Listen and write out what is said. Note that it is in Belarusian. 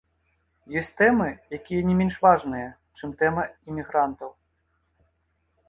Ёсць тэмы, якія не менш важныя, чым тэма імігрантаў.